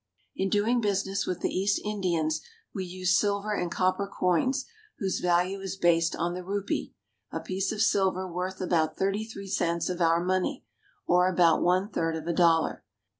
In doing business with the East Indians we use silver and copper coins whose value is based on the rupee, a piece of silver worth about thirty three cents of our money, or about one third of a dollar.